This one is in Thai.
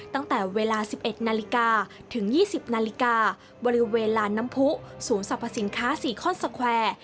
ตั้งแต่เวลา๑๑นาฬิกาถึง๒๐นาฬิกาบริเวณลานน้ำผู้ศูนย์สรรพสินค้าซีคอนสแควร์